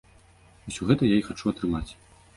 Усё гэта я і хачу атрымаць.